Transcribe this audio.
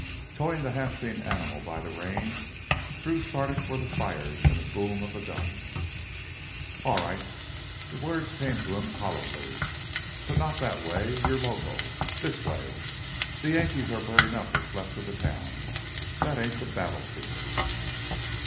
Towing the half seen animal by the reins, Drew started for the fires and the boom of the guns. "All right!" The words came to him hollowly. "But not that way, you're loco! This way! The Yankees are burnin' up what's left of the town; that ain't the battlefield!"